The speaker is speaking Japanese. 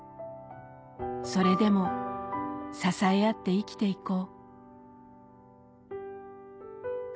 「それでも支え合って生きていこう」